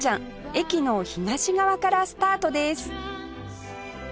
駅の東側からスタートです